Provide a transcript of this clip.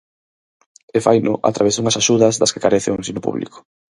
E faino a través dunhas axudas das que carece o ensino público.